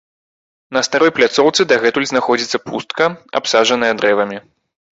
На старой пляцоўцы дагэтуль знаходзіцца пустка, абсаджаная дрэвамі.